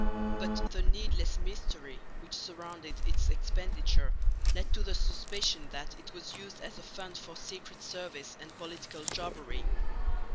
But the needless mystery which surrounded its expenditure led to the suspicion that it was used as a fund for secret service and political jobbery.